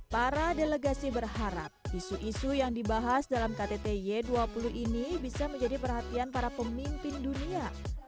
para delegasi berharap isu isu yang dibahas dalam ktty dua puluh ini bisa menjadi perhatian para pemimpin dunia